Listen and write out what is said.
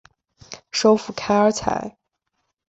首府凯尔采。